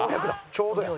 ちょうどや。